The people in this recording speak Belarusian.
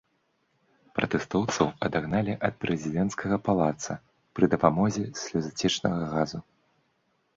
Пратэстоўцаў адагналі ад прэзідэнцкага палаца пры дапамозе слёзацечнага газу.